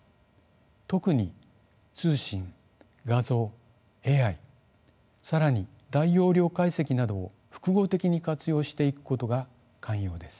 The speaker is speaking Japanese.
特に通信・画像・ＡＩ更に大容量解析などを複合的に活用していくことが肝要です。